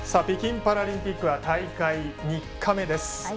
北京パラリンピックは大会３日目です。